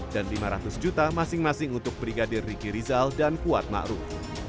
dan lima ratus juta masing masing untuk brigadir riki rizal dan kuat ma'ruf